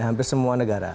hampir semua negara